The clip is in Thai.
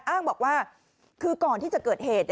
อ้างบอกว่าคือก่อนที่จะเกิดเหตุ